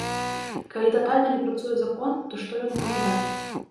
Калі татальна не працуе закон, то што ён можа даць?